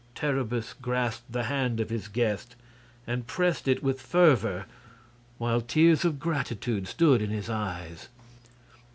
Terribus grasped the hand of his guest and pressed it with fervor, while tears of gratitude stood in his eyes.